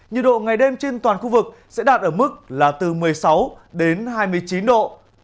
nhiệt độ ngày đêm trên toàn khu vực sẽ đạt ở mức là từ một mươi sáu đến hai mươi chín độ